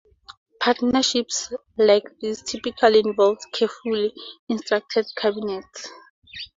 Partnerships like these typically involve carefully structured cabinets.